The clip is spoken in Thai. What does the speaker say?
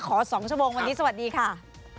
๒ชั่วโมงวันนี้สวัสดีค่ะ